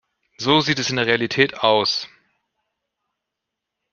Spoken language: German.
So sieht es in der Realität aus.